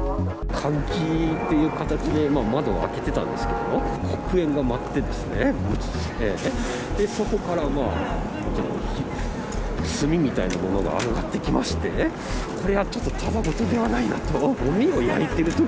換気という形で窓を開けてたんですけどね、黒煙が舞ってですね、そこからまあ、炭みたいなものが上がってきまして、これはちょっとただ事ではないなと。